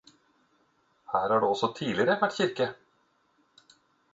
Her har det også tidligere vært kirke.